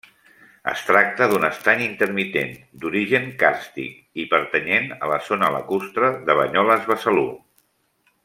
Es tracta d'un estany intermitent, d'origen càrstic, i pertanyent a la zona lacustre de Banyoles-Besalú.